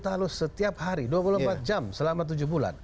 talus setiap hari dua puluh empat jam selama tujuh bulan